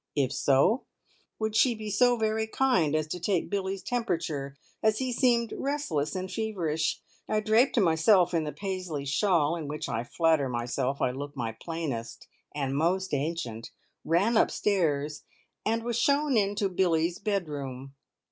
If so, would she be so very kind as to take Billie's temperature, as he seemed restless and feverish? I draped myself in the Paisley shawl in which I flatter myself I look my plainest and most ancient, ran upstairs, and was shown into Billie's bedroom.